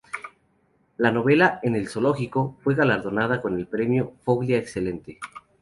La novela "En el zoológico" fue galardonada con el Premio Foglia Excelente.